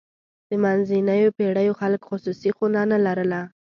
د منځنیو پېړیو خلک خصوصي خونه نه لرله.